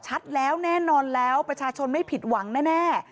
ชัดแล้วแน่นอนแล้วประชาชนไม่ผิดหวังแน่